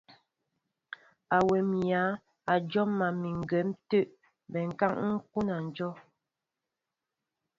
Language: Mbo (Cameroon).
Awɛm éyáŋ a jona mi ŋgɛn tɛ́ bɛnká ń kúná ajɔ́w.